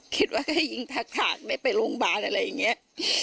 คิดว่าให้ยิงทักฐานไม่ไปโรงพยาบาลอะไรอย่างนี้